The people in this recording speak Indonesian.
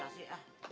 masa sih ah